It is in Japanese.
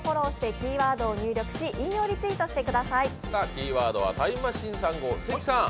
キーワードはタイムマシーン３号関さん